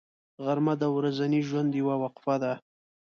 غرمه د ورځني ژوند یوه وقفه ده